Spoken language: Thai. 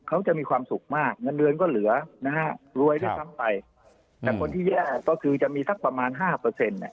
เขาจะมีความสุขมากเงินเดือนก็เหลือนะฮะรวยด้วยซ้ำไปแต่คนที่แย่ก็คือจะมีสักประมาณห้าเปอร์เซ็นต์เนี่ย